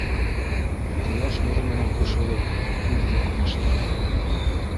Ҡояш нуры менән ҡушылып, күҙҙе ҡамаштыра.